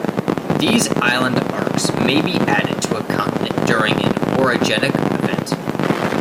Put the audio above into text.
These island arcs may be added to a continent during an orogenic event.